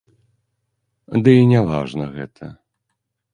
Дый не важна гэта.